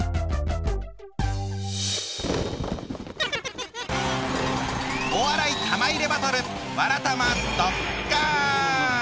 そしてお笑い玉入れバトル